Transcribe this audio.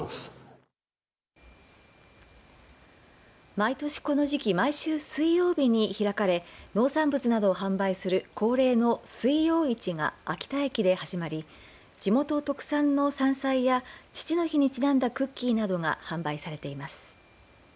毎年この時期毎週水曜日に開かれ農産物などを販売する恒例の水曜市が秋田駅で始まり地元特産の山菜や父の日にちなんだクッキーなどが販売されています。